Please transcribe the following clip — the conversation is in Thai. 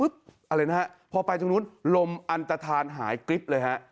ก็พอไปตรงนู้นลมอันตฐานหายกริปเลย